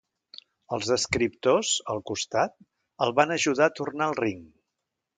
Els escriptors al costat el van ajudar a tornar al ring.